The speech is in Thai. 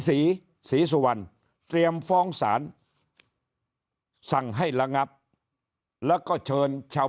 ศรีศรีสุวรรณเตรียมฟ้องศาลสั่งให้ระงับแล้วก็เชิญชาว